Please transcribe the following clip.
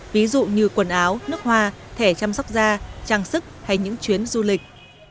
ví dụ như quần áo nước hoa thẻ chăm sóc da trang sức hay những chuyến du lịch